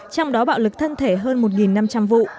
trong đó bạo lực thân thể hơn một năm trăm linh vụ